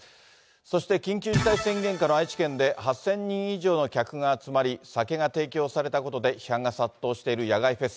そして、緊急事態宣言下の愛知県で８０００人以上の客が集まり、酒が提供されたことで批判が殺到している野外フェス。